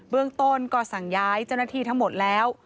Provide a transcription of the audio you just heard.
เรื่องต้นก็สั่งย้ายเจ้าหน้าที่ทั้งหมดแล้ว